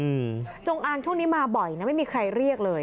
อืมจงอางช่วงนี้มาบ่อยนะไม่มีใครเรียกเลย